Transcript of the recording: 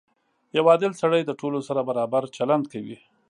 • یو عادل سړی د ټولو سره برابر چلند کوي.